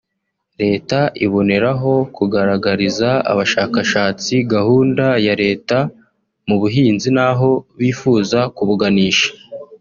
Leta iboneraho kugaragariza aba bashakashatsi gahunda ya Leta mu buhinzi n’aho bifuza kubuganisha